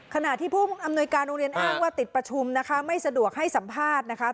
ขณะที่ผู้อำนวยการโรงเรียนอ้างว่าติดประชุมนะคะไม่สะดวกให้สัมภาษณ์นะคะ